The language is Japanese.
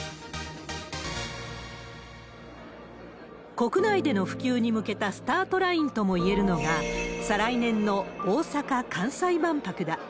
国内での普及に向けたスタートラインともいえるのが、再来年の大阪・関西万博だ。